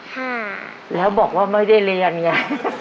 ห้าแล้วบอกว่าไม่ได้เรียนเนี้ย